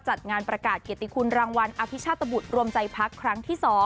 จัดงานประกาศเกียรติคุณรางวัลอภิชาตบุตรรวมใจพักครั้งที่๒